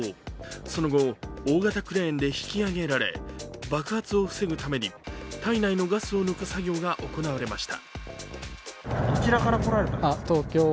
その後、大型クレーンで引き上げられ、爆発を防ぐために体内のガスを抜く作業が行われました。